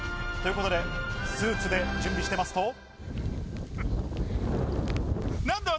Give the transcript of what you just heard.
ということで、スーツで準備していますと。